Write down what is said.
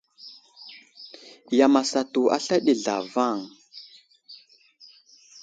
Yam asatu asla ɗi zlavaŋ.